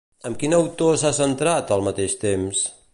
Amb quin autor s'ha centrat, al mateix temps?